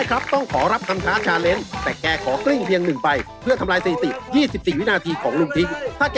เล่นรถมหาสนุกไม่ใช่รถตุ๊ก